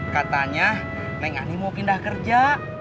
katanya neng ani mau pindah kerja